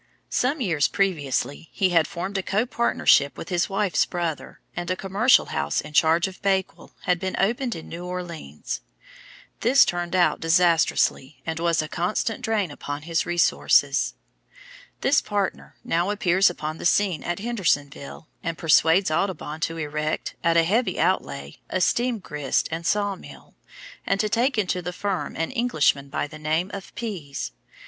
Some years previously he had formed a co partnership with his wife's brother, and a commercial house in charge of Bakewell had been opened in New Orleans. This turned out disastrously and was a constant drain upon his resources. This partner now appears upon the scene at Hendersonville and persuades Audubon to erect, at a heavy outlay, a steam grist and saw mill, and to take into the firm an Englishman by the name of Pease.